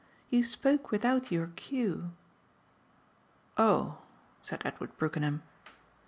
You spoke without your cue." "Oh!" said Edward Brookenham.